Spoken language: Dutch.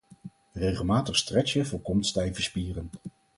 Regelmatig stretchen voorkomt stijve spieren